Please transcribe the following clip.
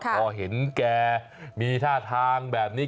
พอเห็นแกมีท่าทางแบบนี้